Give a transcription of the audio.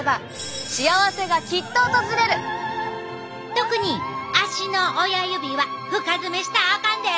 特に足の親指は深爪したらあかんで。